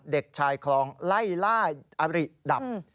เด็กชายคลองไล่ล่าอริดับ